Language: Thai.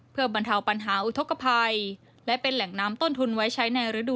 เพื่อบรรเทาปัญหาอุทธกภัยและเป็นแหล่งน้ำต้นทุนไว้ใช้ในฤดู